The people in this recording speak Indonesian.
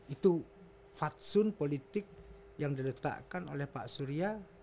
itu fatsun politik yang diletakkan oleh pak surya